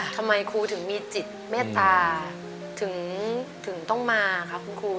ทำไมครูถึงมีจิตเมตตาถึงต้องมาคะคุณครู